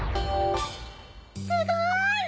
すごい！